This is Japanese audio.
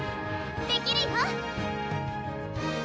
できるよ！